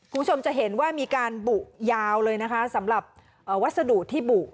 คุณผู้ชมจะเห็นว่ามีการบุยาวเลยนะคะสำหรับวัสดุที่บุ